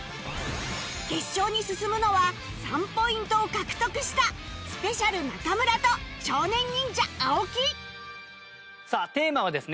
決勝に進むのは３ポイントを獲得した ＳｐｅｃｉａＬ 中村と少年忍者青木さあテーマはですね